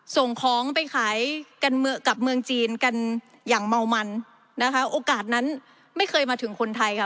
ส่งของไปขายกันกับเมืองจีนกันอย่างเมามันนะคะโอกาสนั้นไม่เคยมาถึงคนไทยค่ะ